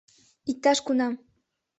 — Иктаж-кунам.